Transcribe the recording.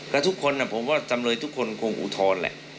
และทุกคนผมว่าจำเลยทุกคนคงอุทธรณ์แหละ